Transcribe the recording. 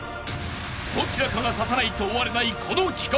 ［どちらかが刺さないと終われないこの企画］